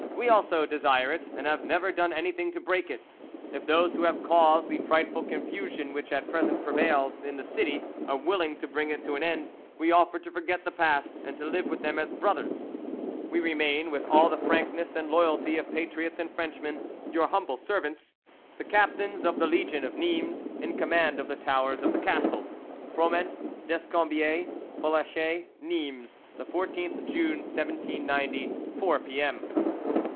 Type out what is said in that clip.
We also desire it, and have never done anything to break it. If those who have caused the frightful confusion which at present prevails in the city are willing to bring it to an end, we offer to forget the past and to live with them as brothers. "We remain, with all the frankness and loyalty of patriots and Frenchmen, your humble servants, "The Captains of the Legion of Nimes, in command of the towers of the Castle, "FROMENT, DESCOMBIEZ, FOLACHER NIMES, the 14th June 1790, 4.00 P.M."